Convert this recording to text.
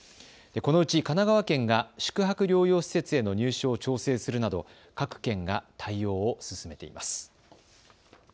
このうち神奈川県が宿泊療養施設への入所を調整するなど各県が対応を進めています。